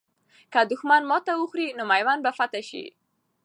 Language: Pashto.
که دښمن ماته وخوري، نو میوند به فتح سي.